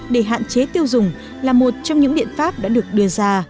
để hạn chế tiêu dùng là một trong những biện pháp đã được đưa ra